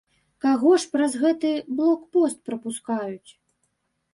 Каго ж праз гэты блок-пост прапускаюць?